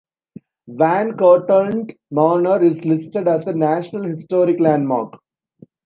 Van Cortlandt Manor is listed as a National Historic Landmark.